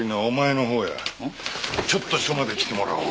ちょっと署まで来てもらおう。